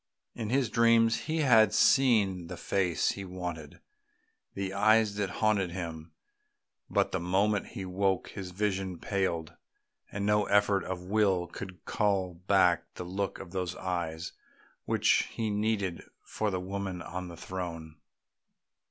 In his dreams he had seen the face he wanted, the eyes that haunted him; but the moment he woke his vision paled, and no effort of will could call back the look of those eyes which he needed for the woman on the throne.